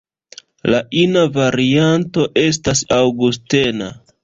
La ina varianto estas Aŭgustena.